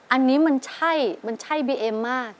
อันนี้มันใช่มันใช่บีเอ็มมาก